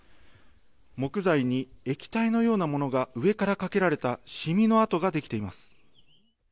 木材に液体のようなものが上からかけられた染みの跡ができています。